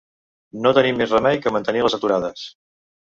No tenim més remei que mantenir les aturades.